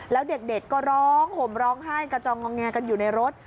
แล้วเด็กก็ร้องห่มร้องไห้กระจองงองแงกันอยู่ในรถ